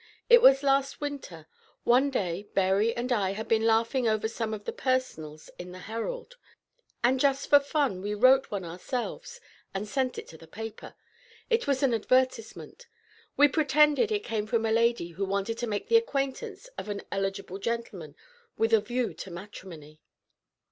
It was last winter. One day Berry and I had been laughing over some of the 'Personals' in the 'Herald,' and just for fun we wrote one ourselves and sent it to the paper. It was an advertisement. We pretended it came from a lady who wanted to make the acquaintance of an eligible gentleman with a view to matrimony.